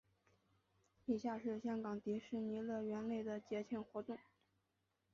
以下是香港迪士尼乐园内的节庆活动。